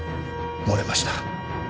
漏れました。